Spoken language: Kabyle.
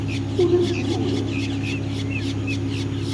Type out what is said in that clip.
Ula d kenwi.